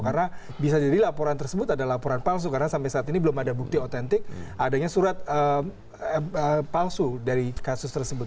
karena bisa jadi laporan tersebut ada laporan palsu karena sampai saat ini belum ada bukti otentik adanya surat palsu dari kasus tersebut